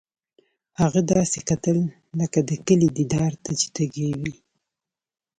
هغه داسې کتل لکه د کلي دیدار ته چې تږی وي